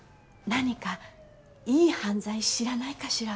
何かいい犯罪知らないかしら？